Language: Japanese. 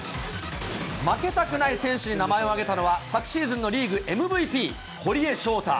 負けたくない選手に名前を挙げたのは、昨シーズンのリーグＭＶＰ、堀江翔太。